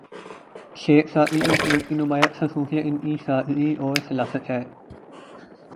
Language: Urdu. شیخ سعدی کے اسلوب کی نمایاں خصوصیت ان کی سادگی اور سلاست ہے